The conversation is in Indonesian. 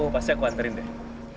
pasti aku anterin deh